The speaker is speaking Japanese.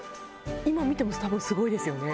今見ても多分すごいですよね。